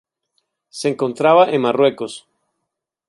Se encontraba en Marruecos.